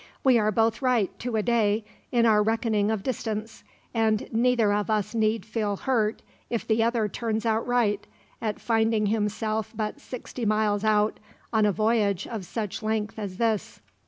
We are both right, to a day, in our reckoning of distance; and neither of us need feel hurt, if the other turns out right, at finding himself but sixty miles out, on a voyage of such length as this.